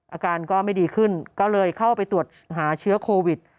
อาการก็ไม่ดีขึ้นก็เลยเข้าไปตรวจหาเชื้อโควิด